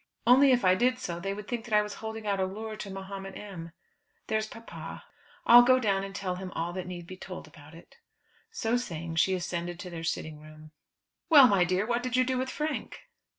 Only if I did so, they would think that I was holding out a lure to Mahomet M. There's papa. I'll go down and tell him all that need be told about it." So saying she ascended to their sitting room. "Well, my dear, what did you do with Frank?"